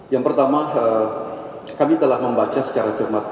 yang pertama kami telah membaca secara cermat